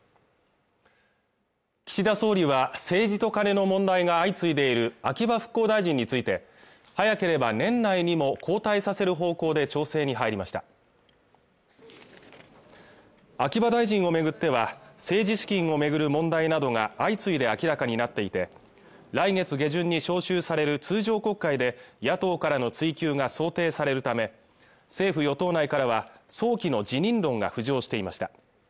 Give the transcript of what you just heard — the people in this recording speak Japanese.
岸田総理は政治とカネの問題が相次いでいる秋葉復興大臣について早ければ年内にも交代させる方向で調整に入りました秋葉大臣を巡っては政治資金を巡る問題などが相次いで明らかになっていて来月下旬に召集される通常国会で野党からの追及が想定されるため政府与党内からは早期の辞任論が浮上していました